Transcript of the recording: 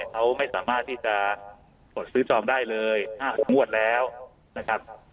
เขาไม่สามารถที่จะกดซื้อจองได้เลย๕๖งวดแล้วนะครับ